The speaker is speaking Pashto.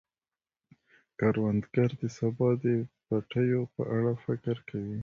کروندګر د سبا د پټیو په اړه فکر کوي